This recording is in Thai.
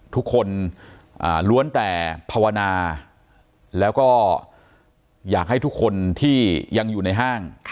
ทุกคนล้วนแต่ภาวนาแล้วก็อยากให้ทุกคนที่ยังอยู่ในห้าง